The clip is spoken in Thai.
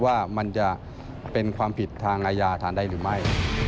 ว่ามันจะเป็นความผิดทางอาญาฐานใดหรือไม่